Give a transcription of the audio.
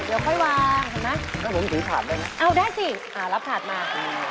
อ้าวสบายจัง